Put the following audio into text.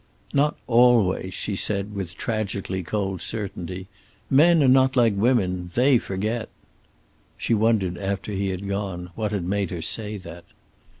"Not always," she said, with tragically cold certainty. "Men are not like women; they forget." She wondered, after he had gone, what had made her say that.